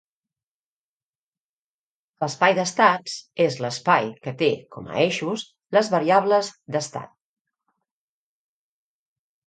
L'espai d'estats és l'espai que té com a eixos les variables d'estat.